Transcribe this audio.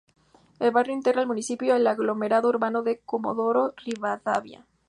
El barrio integra el municipio y el aglomerado urbano de Comodoro Rivadavia.